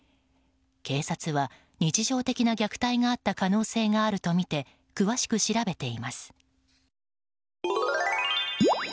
警察は日常的な虐待があった可能性があるとみて詳しく調べています。